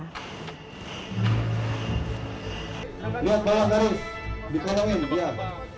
lihat bawah harus dikolongin diam